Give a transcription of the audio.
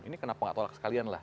ini kenapa gak tolak sekalian lah